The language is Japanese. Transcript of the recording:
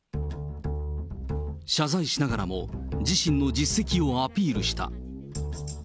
謝罪しながらも、自身の実績をアピールした。